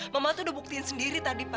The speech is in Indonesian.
mama tuh udah buktiin sendiri tadi pak